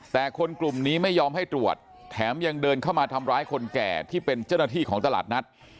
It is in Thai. แต่คนกลุ่มนี้ไม่ยอมให้ตรวจแถมยังเดินเข้ามาทำร้ายคนแก่ที่เป็นเจ้าหน้าที่ของตลาดนัด